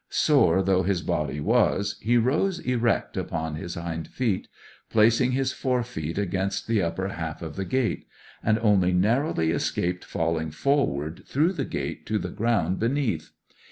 Sore though his body was, he rose erect upon his hind feet, placed his fore feet against the upper half of the gate, and only narrowly escaped falling forward through the gate to the ground beneath.